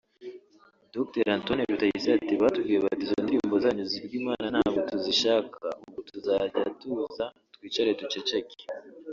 Dr Antoine Rutayisire ati “Batubwiye bati izo ndirimbo zanyu zivuga Imana ntabwo tukizishaka ubwo tuzajya tuza twicare duceceke